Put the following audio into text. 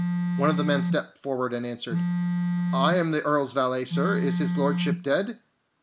One of the men stepped forward, and answered: "I am the Earl's valet, sir. Is His Lordship dead?"